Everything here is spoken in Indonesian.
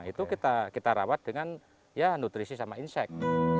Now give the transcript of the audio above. itu kita rawat dengan ya nutrisi sama insek